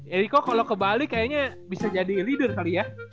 eriko kalau ke bali kayaknya bisa jadi leader kali ya